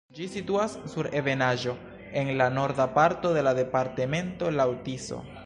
Ĝi situas sur ebenaĵo en la norda parto de la departemento laŭ Tiso.